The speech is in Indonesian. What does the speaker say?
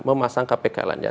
memasang kpk lainnya